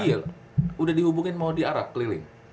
iya udah dihubungin mau diarak keliling